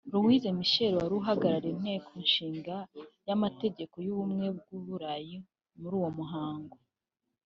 Louis Michel wari uhagarariye Inteko Ishinga Amategeko y’Ubumwe bw’u Burayi muri uwo muhango